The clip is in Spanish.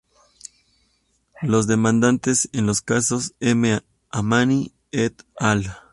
Los demandantes en los casos, M"amani, et al.